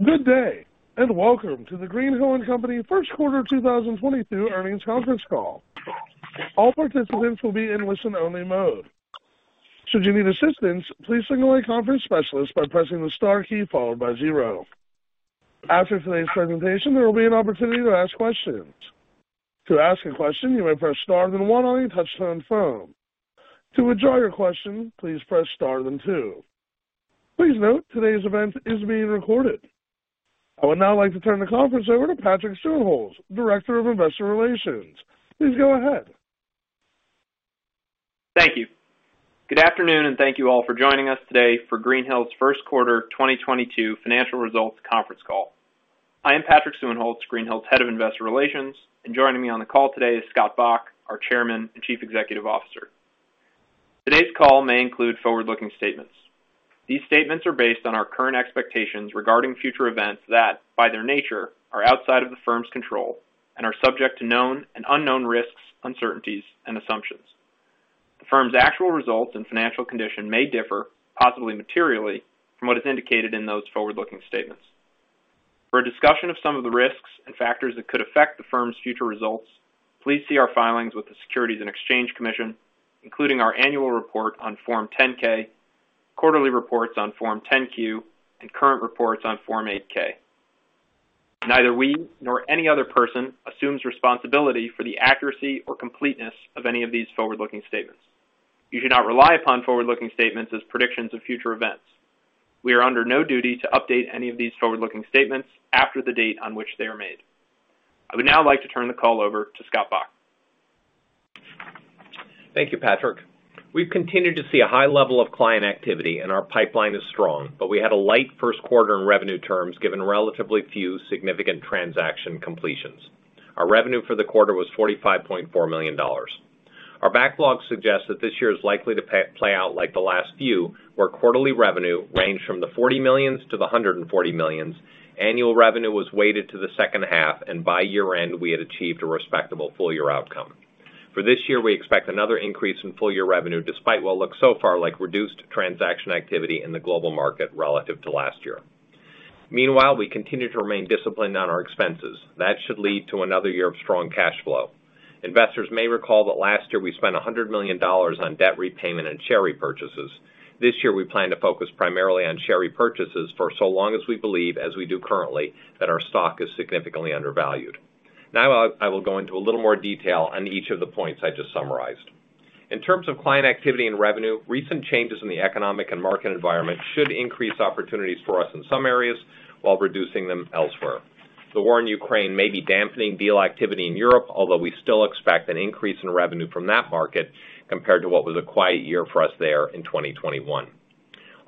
Good day, and welcome to the Greenhill & Co first quarter 2022 earnings conference call. All participants will be in listen-only mode. Should you need assistance, please signal a conference specialist by pressing the star key followed by zero. After today's presentation, there will be an opportunity to ask questions. To ask a question, you may press star then one on your touch-tone phone. To withdraw your question, please press star then two. Please note today's event is being recorded. I would now like to turn the conference over to Patrick Suehnholz, Director of Investor Relations. Please go ahead. Thank you. Good afternoon, and thank you all for joining us today for Greenhill's first quarter 2022 financial results conference call. I am Patrick Suehnholz, Greenhill's Head of Investor Relations, and joining me on the call today is Scott Bok, our Chairman and Chief Executive Officer. Today's call may include forward-looking statements. These statements are based on our current expectations regarding future events that, by their nature, are outside of the firm's control and are subject to known and unknown risks, uncertainties, and assumptions. The firm's actual results and financial condition may differ, possibly materially, from what is indicated in those forward-looking statements. For a discussion of some of the risks and factors that could affect the firm's future results, please see our filings with the Securities and Exchange Commission, including our annual report on Form 10-K, quarterly reports on Form 10-Q, and current reports on Form 8-K. Neither we nor any other person assumes responsibility for the accuracy or completeness of any of these forward-looking statements. You should not rely upon forward-looking statements as predictions of future events. We are under no duty to update any of these forward-looking statements after the date on which they are made. I would now like to turn the call over to Scott Bok. Thank you, Patrick. We've continued to see a high level of client activity, and our pipeline is strong. We had a light first quarter in revenue terms, given relatively few significant transaction completions. Our revenue for the quarter was $45.4 million. Our backlog suggests that this year is likely to play out like the last few, where quarterly revenue ranged from $40 million-$140 million. Annual revenue was weighted to the second half, and by year-end, we had achieved a respectable full-year outcome. For this year, we expect another increase in full-year revenue, despite what looks so far like reduced transaction activity in the global market relative to last year. Meanwhile, we continue to remain disciplined on our expenses. That should lead to another year of strong cash flow. Investors may recall that last year we spent $100 million on debt repayment and share repurchases. This year, we plan to focus primarily on share repurchases for so long as we believe, as we do currently, that our stock is significantly undervalued. Now, I will go into a little more detail on each of the points I just summarized. In terms of client activity and revenue, recent changes in the economic and market environment should increase opportunities for us in some areas while reducing them elsewhere. The war in Ukraine may be dampening deal activity in Europe, although we still expect an increase in revenue from that market compared to what was a quiet year for us there in 2021.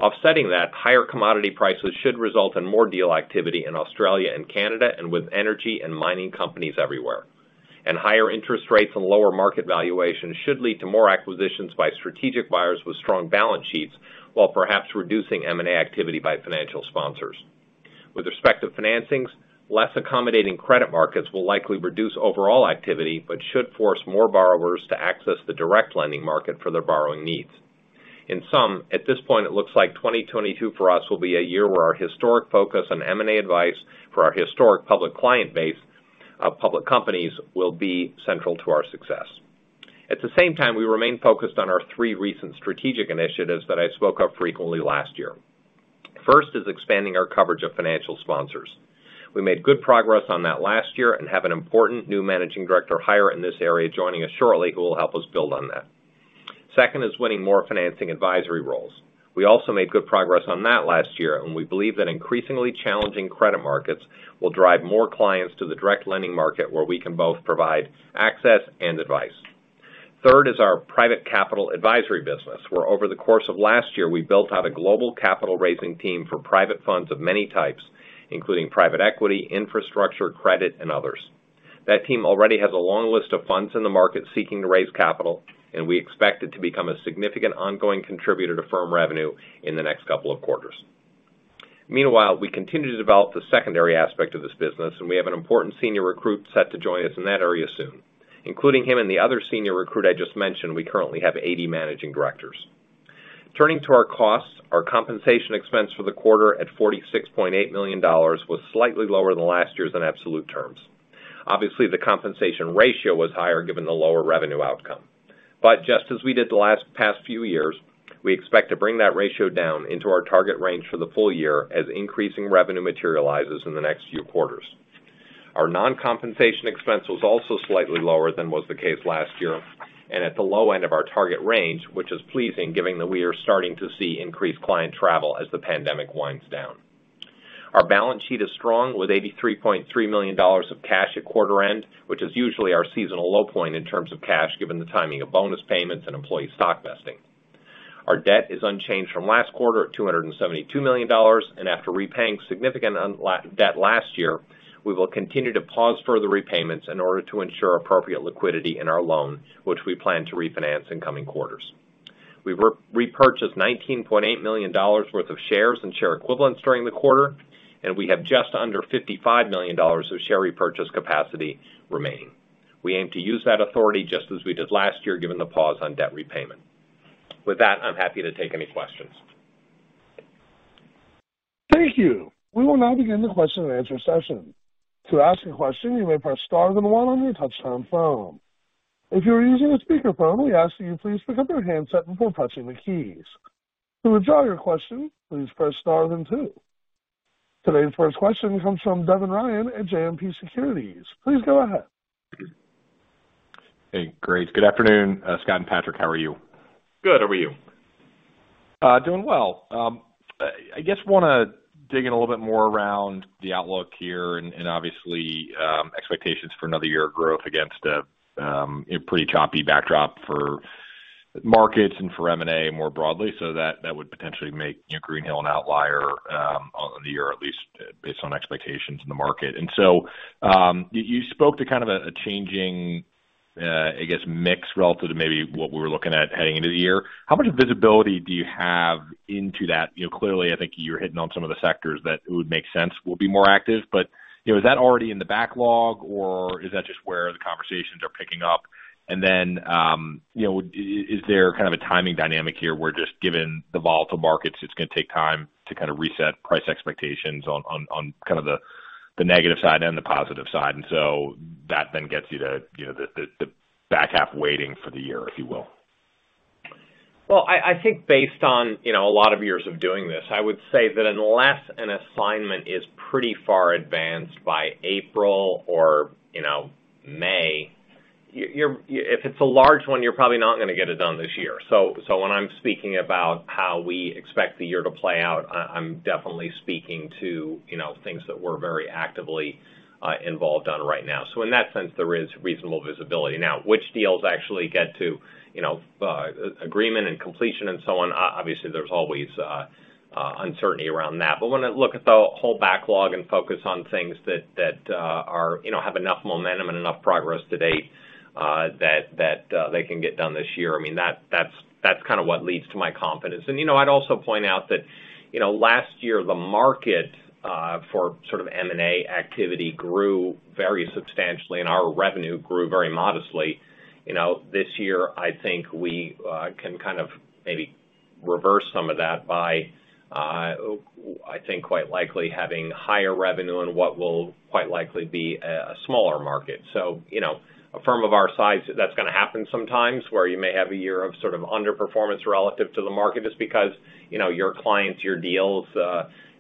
Offsetting that, higher commodity prices should result in more deal activity in Australia and Canada, and with energy and mining companies everywhere. Higher interest rates and lower market valuations should lead to more acquisitions by strategic buyers with strong balance sheets, while perhaps reducing M&A activity by financial sponsors. With respect to financings, less accommodating credit markets will likely reduce overall activity, but should force more borrowers to access the direct lending market for their borrowing needs. In sum, at this point, it looks like 2022 for us will be a year where our historic focus on M&A advice for our historic public client base of public companies will be central to our success. At the same time, we remain focused on our three recent strategic initiatives that I spoke of frequently last year. First is expanding our coverage of financial sponsors. We made good progress on that last year and have an important new managing director hire in this area, joining us shortly, who will help us build on that. Second is winning more financing advisory roles. We also made good progress on that last year, and we believe that increasingly challenging credit markets will drive more clients to the direct lending market, where we can both provide access and advice. Third is our Private Capital Advisory business, where over the course of last year, we built out a global capital raising team for private funds of many types, including private equity, infrastructure, credit, and others. That team already has a long list of funds in the market seeking to raise capital, and we expect it to become a significant ongoing contributor to firm revenue in the next couple of quarters. Meanwhile, we continue to develop the secondary aspect of this business, and we have an important senior recruit set to join us in that area soon. Including him and the other senior recruit I just mentioned, we currently have 80 managing directors. Turning to our costs, our compensation expense for the quarter at $46.8 million was slightly lower than last year's in absolute terms. Obviously, the compensation ratio was higher given the lower revenue outcome. Just as we did the past few years, we expect to bring that ratio down into our target range for the full year as increasing revenue materializes in the next few quarters. Our non-compensation expense was also slightly lower than was the case last year and at the low end of our target range, which is pleasing given that we are starting to see increased client travel as the pandemic winds down. Our balance sheet is strong with $83.3 million of cash at quarter end, which is usually our seasonal low point in terms of cash, given the timing of bonus payments and employee stock vesting. Our debt is unchanged from last quarter at $272 million. After repaying significant debt last year, we will continue to pause further repayments in order to ensure appropriate liquidity in our loan, which we plan to refinance in coming quarters. We repurchased $19.8 million worth of shares and share equivalents during the quarter, and we have just under $55 million of share repurchase capacity remaining. We aim to use that authority just as we did last year, given the pause on debt repayment. With that, I'm happy to take any questions. Thank you. We will now begin the question and answer session. To ask a question, you may press star then one on your touchtone phone. If you are using a speakerphone, we ask that you please pick up your handset before pressing the keys. To withdraw your question, please press star then two. Today's first question comes from Devin Ryan at JMP Securities. Please go ahead. Hey, great. Good afternoon, Scott and Patrick. How are you? Good. How are you? Doing well. I guess I want to dig in a little bit more around the outlook here and obviously expectations for another year of growth against a pretty choppy backdrop for markets and for M&A more broadly. That would potentially make, you know, Greenhill an outlier on the year, at least based on expectations in the market. You spoke to kind of a changing, I guess, mix relative to maybe what we were looking at heading into the year. How much visibility do you have into that? You know, clearly, I think you're hitting on some of the sectors that it would make sense will be more active, but, you know, is that already in the backlog, or is that just where the conversations are picking up? You know, is there kind of a timing dynamic here where just given the volatile markets, it's gonna take time to kind of reset price expectations on kind of the negative side and the positive side? That then gets you to, you know, the back half waiting for the year, if you will. Well, I think based on, you know, a lot of years of doing this, I would say that unless an assignment is pretty far advanced by April or, you know, May, if it's a large one, you're probably not gonna get it done this year. When I'm speaking about how we expect the year to play out, I'm definitely speaking to, you know, things that we're very actively involved on right now. In that sense, there is reasonable visibility. Now, which deals actually get to, you know, agreement and completion and so on, obviously, there's always uncertainty around that. When I look at the whole backlog and focus on things that are, you know, have enough momentum and enough progress to date, that they can get done this year, I mean, that's kind of what leads to my confidence. You know, I'd also point out that, you know, last year, the market for sort of M&A activity grew very substantially, and our revenue grew very modestly. You know, this year, I think we can kind of maybe reverse some of that by I think quite likely having higher revenue in what will quite likely be a smaller market. You know, a firm of our size, that's gonna happen sometimes, where you may have a year of sort of underperformance relative to the market just because, you know, your clients, your deals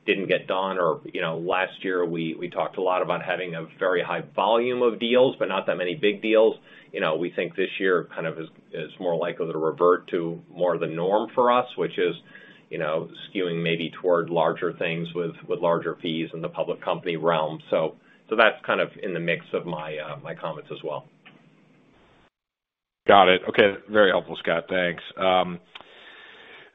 didn't get done, or, you know, last year, we talked a lot about having a very high volume of deals, but not that many big deals. You know, we think this year kind of is more likely to revert to more the norm for us, which is, you know, skewing maybe toward larger things with larger fees in the public company realm. That's kind of in the mix of my comments as well. Got it. Okay. Very helpful, Scott. Thanks.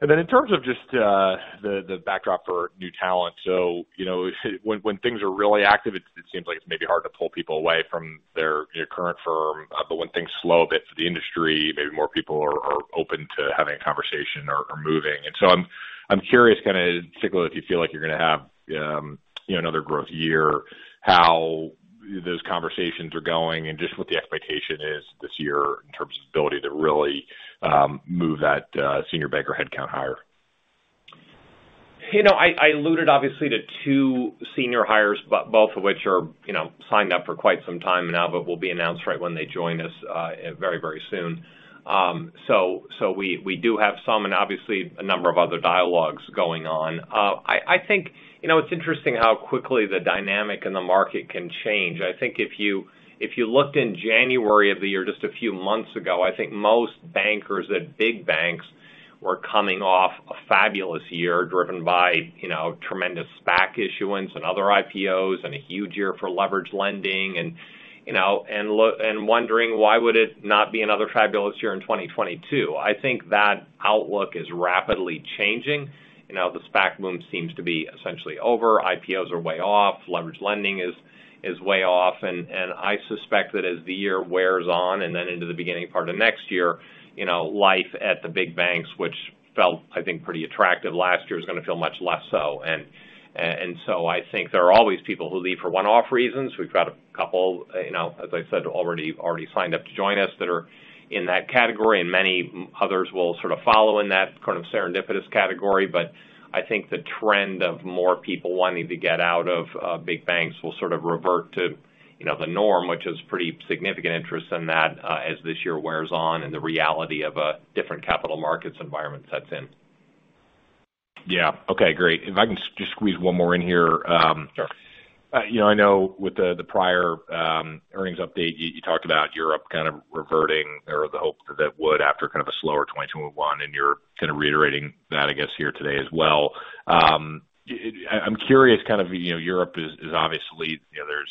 In terms of just the backdrop for new talent. Things are really active, seems like it's maybe hard to pull people away from their current firm. When things slow a bit for the industry, maybe more people are open to having a conversation or moving. I'm curious, kinda particularly if you feel like you're gonna have another growth year, how those conversations are going and just what the expectation is this year in terms of ability to really move that senior banker headcount higher. You know, I alluded obviously to two senior hires, both of which are, you know, signed up for quite some time now but will be announced right when they join us, very, very soon. We do have some and obviously a number of other dialogues going on. I think, you know, it's interesting how quickly the dynamic in the market can change. I think if you looked in January of the year, just a few months ago, I think most bankers at big banks were coming off a fabulous year driven by, you know, tremendous SPAC issuance and other IPOs and a huge year for leveraged lending and, you know, wondering why would it not be another fabulous year in 2022. I think that outlook is rapidly changing. You know, the SPAC boom seems to be essentially over. IPOs are way off. Leveraged lending is way off. I think there are always people who leave for one-off reasons. We've got a couple, you know, as I said, already signed up to join us that are in that category, and many others will sort of follow in that kind of serendipitous category. I think the trend of more people wanting to get out of big banks will sort of revert to, you know, the norm, which is pretty significant interest in that, as this year wears on and the reality of a different capital markets environment sets in. Yeah. Okay, great. If I can just squeeze one more in here. Sure. You know, I know with the prior earnings update, you talked about Europe kind of reverting or the hope that it would after kind of a slower 2021, and you're kind of reiterating that, I guess, here today as well. I'm curious kind of, you know, Europe is obviously, you know, there's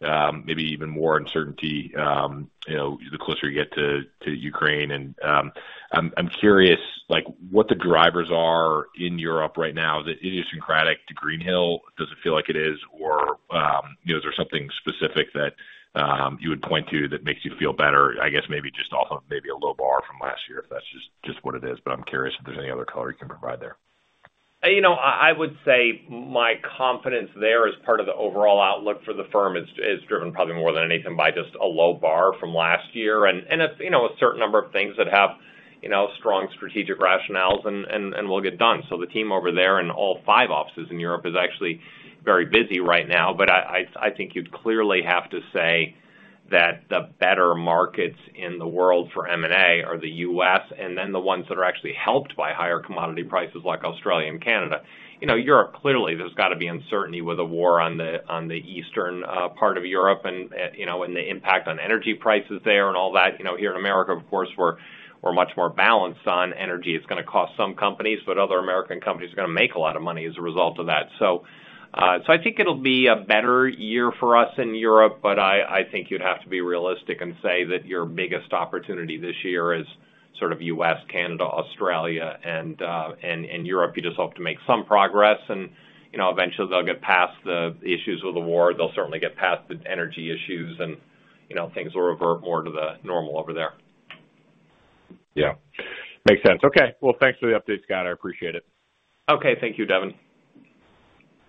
maybe even more uncertainty, you know, the closer you get to Ukraine. I'm curious, like, what the drivers are in Europe right now that's idiosyncratic to Greenhill. Does it feel like it is, or, you know, is there something specific that you would point to that makes you feel better, I guess maybe just off of maybe a low bar from last year, if that's just what it is. I'm curious if there's any other color you can provide there. You know, I would say my confidence there as part of the overall outlook for the firm is driven probably more than anything by just a low bar from last year. It's, you know, a certain number of things that have, you know, strong strategic rationales and will get done. The team over there in all five offices in Europe is actually very busy right now. I think you'd clearly have to say that the better markets in the world for M&A are the U.S., and then the ones that are actually helped by higher commodity prices like Australia and Canada. You know, Europe, clearly, there's got to be uncertainty with the war on the eastern part of Europe and the impact on energy prices there and all that. You know, here in America, of course, we're much more balanced on energy. It's gonna cost some companies, but other American companies are gonna make a lot of money as a result of that. I think it'll be a better year for us in Europe, but I think you'd have to be realistic and say that your biggest opportunity this year is sort of U.S., Canada, Australia, and Europe. You just hope to make some progress and, you know, eventually they'll get past the issues with the war. They'll certainly get past the energy issues and, you know, things will revert more to the normal over there. Yeah. Makes sense. Okay. Well, thanks for the update, Scott. I appreciate it. Okay. Thank you, Devin.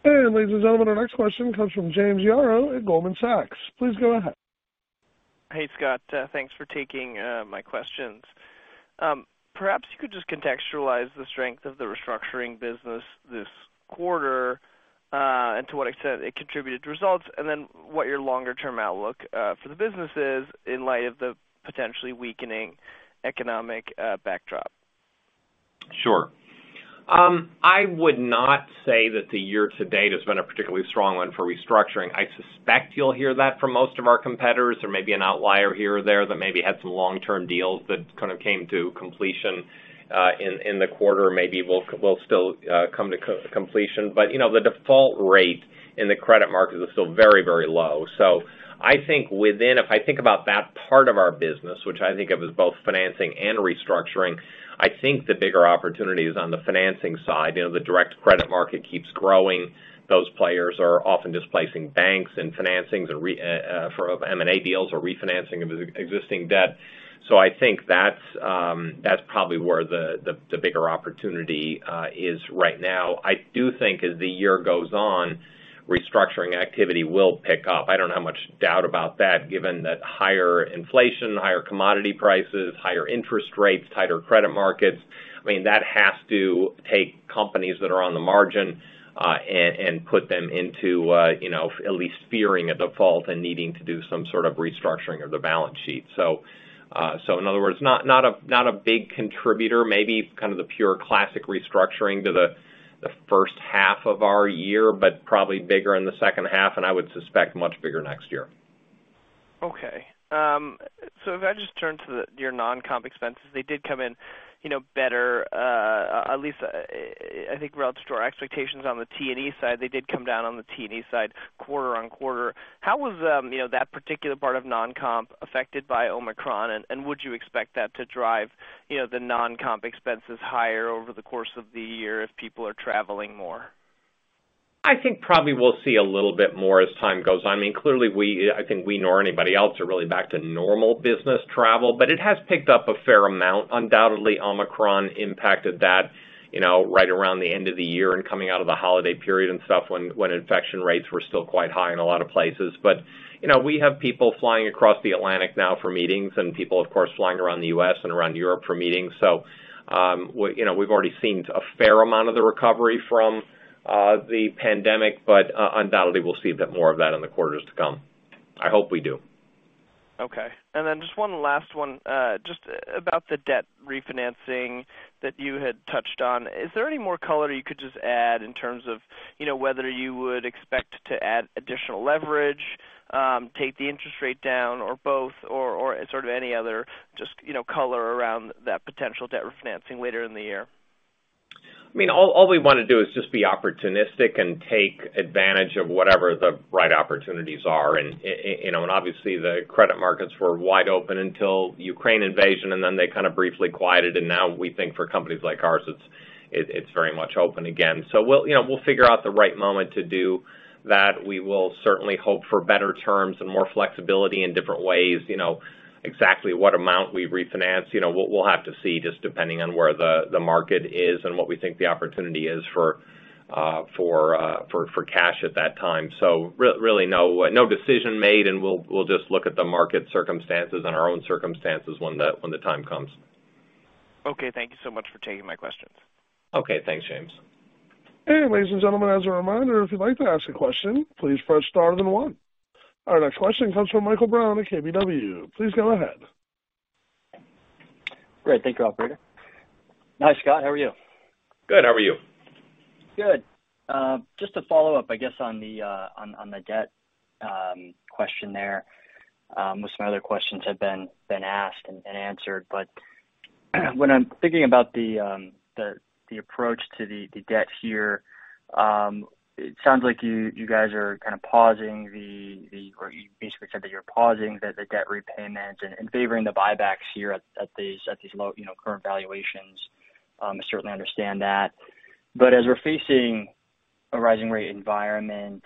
Ladies and gentlemen, our next question comes from James Yaro at Goldman Sachs. Please go ahead. Hey, Scott. Thanks for taking my questions. Perhaps you could just contextualize the strength of the restructuring business this quarter, and to what extent it contributed to results, and then what your longer-term outlook for the business is in light of the potentially weakening economic backdrop. Sure. I would not say that the year to date has been a particularly strong one for restructuring. I suspect you'll hear that from most of our competitors. There may be an outlier here or there that maybe had some long-term deals that kind of came to completion in the quarter, maybe will still come to completion. You know, the default rate in the credit markets is still very, very low. I think if I think about that part of our business, which I think of as both financing and restructuring, I think the bigger opportunity is on the financing side. You know, the direct credit market keeps growing. Those players are often displacing banks and financings or for M&A deals or refinancing of existing debt. I think that's probably where the bigger opportunity is right now. I do think as the year goes on, restructuring activity will pick up. I don't have much doubt about that, given that higher inflation, higher commodity prices, higher interest rates, tighter credit markets. I mean, that has to take companies that are on the margin and put them into you know, at least fearing a default and needing to do some sort of restructuring of the balance sheet. In other words, not a big contributor, maybe kind of the pure classic restructuring to the first half of our year, but probably bigger in the second half, and I would suspect much bigger next year. Okay. If I just turn to your non-comp expenses, they did come in, you know, better, at least I think relative to our expectations on the T&E side. They did come down on the T&E side quarter-over-quarter. How was, you know, that particular part of non-comp affected by Omicron, and would you expect that to drive, you know, the non-comp expenses higher over the course of the year if people are traveling more? I think probably we'll see a little bit more as time goes on. I mean, clearly, I think we nor anybody else are really back to normal business travel, but it has picked up a fair amount. Undoubtedly, Omicron impacted that, you know, right around the end of the year and coming out of the holiday period and stuff when infection rates were still quite high in a lot of places. You know, we have people flying across the Atlantic now for meetings and people, of course, flying around the U.S. and around Europe for meetings. You know, we've already seen a fair amount of the recovery from the pandemic, but undoubtedly we'll see a bit more of that in the quarters to come. I hope we do. Okay. Just one last one, just about the debt refinancing that you had touched on. Is there any more color you could just add in terms of, you know, whether you would expect to add additional leverage, take the interest rate down or both or sort of any other just, you know, color around that potential debt refinancing later in the year? I mean, all we want to do is just be opportunistic and take advantage of whatever the right opportunities are. You know, obviously the credit markets were wide open until Ukraine invasion, and then they kind of briefly quieted. Now we think for companies like ours, it's very much open again. You know, we'll figure out the right moment to do that. We will certainly hope for better terms and more flexibility in different ways. You know, exactly what amount we refinance, you know, we'll have to see just depending on where the market is and what we think the opportunity is for cash at that time. Really no decision made, and we'll just look at the market circumstances and our own circumstances when the time comes. Okay. Thank you so much for taking my questions. Okay. Thanks, James. Ladies and gentlemen, as a reminder, if you'd like to ask a question, please press star then one. Our next question comes from Michael Brown at KBW. Please go ahead. Great. Thank you, operator. Hi, Scott. How are you? Good. How are you? Good. Just to follow up, I guess, on the debt question there, most of my other questions have been asked and answered. When I'm thinking about the approach to the debt here, it sounds like you guys are kind of, or you basically said that you're pausing the debt repayment and favoring the buybacks here at these low, you know, current valuations. I certainly understand that. As we're facing a rising rate environment,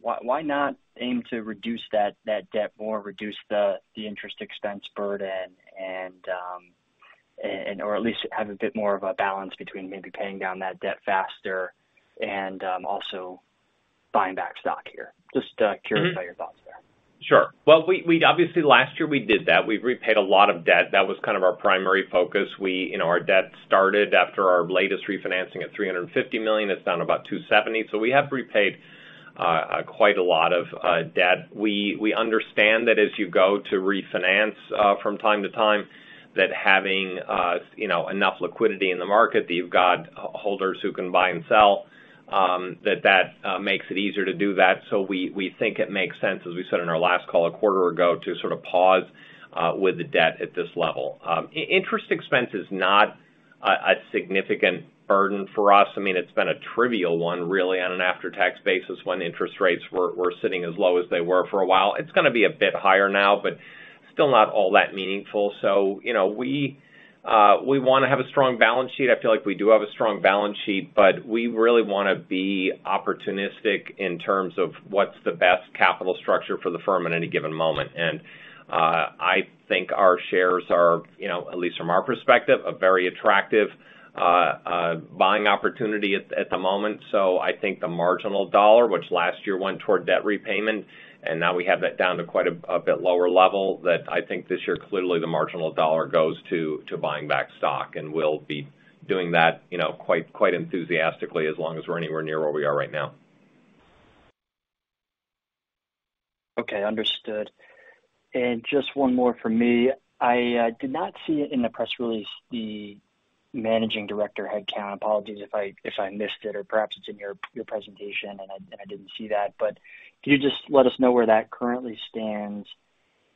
why not aim to reduce that debt more, reduce the interest expense burden and or at least have a bit more of a balance between maybe paying down that debt faster and also buying back stock here? Just curious about your thoughts there. Sure. Well, we'd obviously last year we did that. We've repaid a lot of debt. That was kind of our primary focus. You know, our debt started after our latest refinancing at $350 million, it's down about $270 million. So we have repaid quite a lot of debt. We understand that as you go to refinance from time to time, that having you know, enough liquidity in the market that you've got holders who can buy and sell, that makes it easier to do that. So we think it makes sense, as we said in our last call a quarter ago, to sort of pause with the debt at this level. Interest expense is not a significant burden for us. I mean, it's been a trivial one really on an after-tax basis when interest rates were sitting as low as they were for a while. It's gonna be a bit higher now, but still not all that meaningful. You know, we wanna have a strong balance sheet. I feel like we do have a strong balance sheet, but we really wanna be opportunistic in terms of what's the best capital structure for the firm at any given moment. I think our shares are, you know, at least from our perspective, a very attractive buying opportunity at the moment. I think the marginal dollar, which last year went toward debt repayment, and now we have that down to quite a bit lower level, that I think this year, clearly the marginal dollar goes to buying back stock. We'll be doing that, you know, quite enthusiastically as long as we're anywhere near where we are right now. Okay, understood. Just one more from me. I did not see it in the press release, the Managing Director headcount. Apologies if I missed it or perhaps it's in your presentation and I didn't see that. Can you just let us know where that currently stands?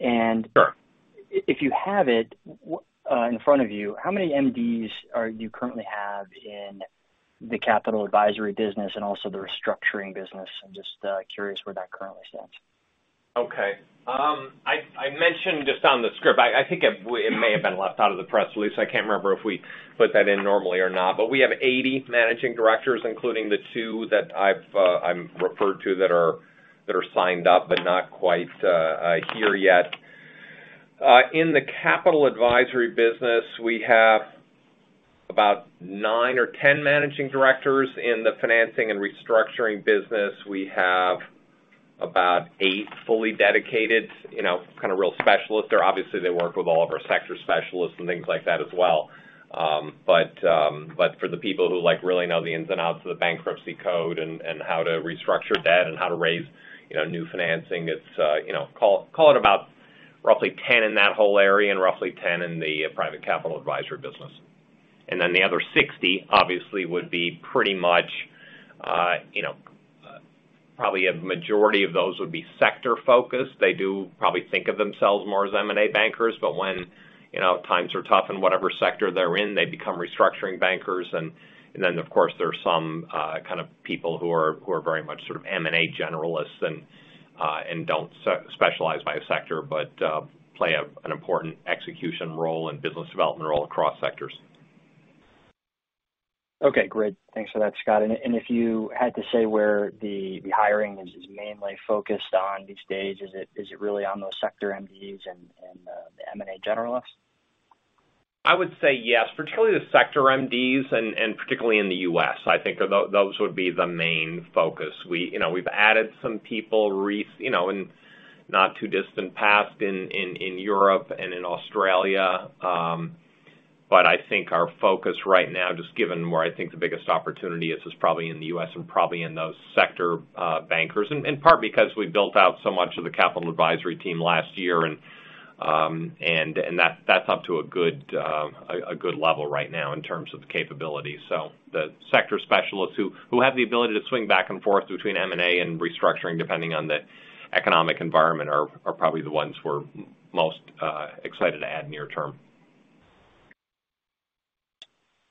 Sure. If you have it in front of you, how many MDs are you currently have in the Private Capital Advisory and also the restructuring advisory? I'm just curious where that currently stands. Okay. I mentioned just on the script. I think it may have been left out of the press release. I can't remember if we put that in normally or not, but we have 80 managing directors, including the two that I've referred to that are signed up but not quite here yet. In the Private Capital Advisory business, we have about nine or 10 managing directors. In the Financing & Restructuring business, we have about eight fully dedicated, you know, kinda real specialists. They're obviously, they work with all of our sector specialists and things like that as well. For the people who like really know the ins and outs of the bankruptcy code and how to restructure debt and how to raise, you know, new financing, it's, you know, call it about roughly 10 in that whole area and roughly 10 in the Private Capital Advisory business. The other 60 obviously would be pretty much, you know, probably a majority of those would be sector-focused. They do probably think of themselves more as M&A bankers, but when, you know, times are tough in whatever sector they're in, they become restructuring bankers. Of course, there are some kind of people who are very much sort of M&A generalists and don't specialize by sector, but play an important execution role and business development role across sectors. Okay, great. Thanks for that, Scott. If you had to say where the hiring is mainly focused on these days, is it really on those sector MDs and the M&A generalists? I would say yes, particularly the sector MDs and particularly in the U.S. I think those would be the main focus. We, you know, we've added some people you know, in not too distant past in Europe and in Australia. But I think our focus right now, just given where I think the biggest opportunity is probably in the U.S. and probably in those sector bankers. In part because we built out so much of the capital advisory team last year and that's up to a good level right now in terms of the capability. The sector specialists who have the ability to swing back and forth between M&A and restructuring depending on the economic environment are probably the ones we're most excited to add near term.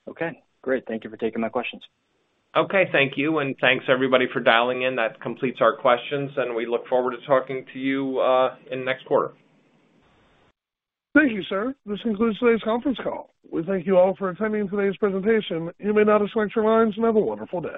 Okay, great. Thank you for taking my questions. Okay, thank you. Thanks everybody for dialing in. That completes our questions, and we look forward to talking to you in the next quarter. Thank you, sir. This concludes today's conference call. We thank you all for attending today's presentation. You may now disconnect your lines. Have a wonderful day.